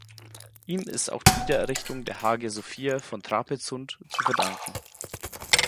Ihm ist auch die Wiedererrichtung der Hagia Sophia von Trapezunt zu verdanken.